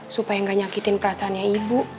supaya nggak nyakitin perasaannya ibu